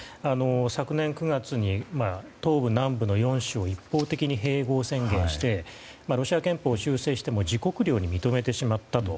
昨年９月に東部、南部の４州を一方的に併合宣言してロシア憲法を修正して自国領に認めてしまったと。